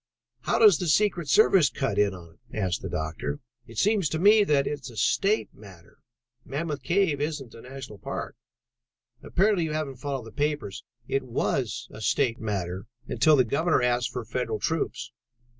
"How does the secret service cut in on it?" asked the doctor. "It seems to me that it is a state matter. Mammoth Cave isn't a National Park." "Apparently you haven't followed the papers. It was a state matter until the Governor asked for federal troops.